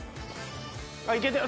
いけてる。